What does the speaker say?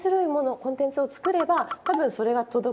コンテンツを作れば多分それが届く。